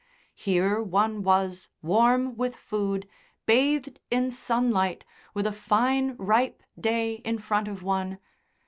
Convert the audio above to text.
Here one was, warm with food, bathed in sunlight, with a fine, ripe day in front of one....